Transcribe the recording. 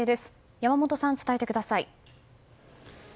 山本さん、伝えてください。